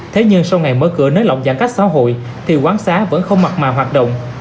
thế nhưng sau ngày mở cửa nới lỏng giãn cách xã hội thì quán xá vẫn không mặt mà hoạt động